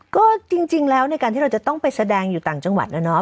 ก็จริงแล้วในการที่เราจะต้องไปแสดงอยู่ต่างจังหวัดนะเนาะ